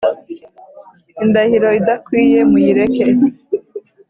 Indahiro idakwiye muyireke.